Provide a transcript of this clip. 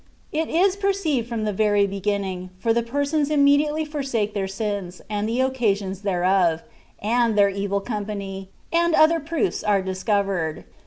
It is perceived from the very beginning, for the persons immediately forsake their sins, and the occasions thereof, and their evil company, and other proofs are discovered.